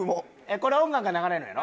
これ音楽が流れるんやろ？